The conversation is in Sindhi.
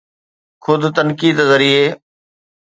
خود تنقيد ذريعي